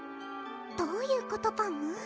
どういうことパム？